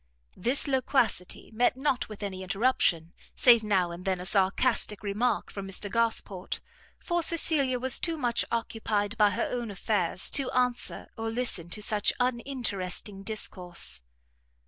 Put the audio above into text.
This loquacity met not with any interruption, save now and then a sarcastic remark, from Mr Gosport; for Cecilia was too much occupied by her own affairs, to answer or listen to such uninteresting discourse.